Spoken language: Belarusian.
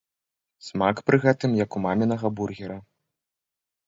Смак пры гэтым як у мамінага бургера.